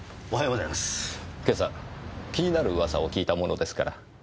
今朝気になる噂を聞いたものですから。